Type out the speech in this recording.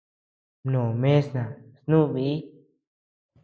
Mnó mesa snuu biʼi.